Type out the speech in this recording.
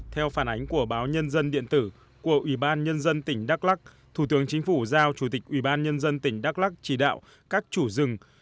theo phản ánh của báo nhân dân điện tử của ubnd tỉnh đắk lắc thủ tướng chính phủ giao chủ tịch ubnd tỉnh đắk lắc chỉ đạo các chủ rừng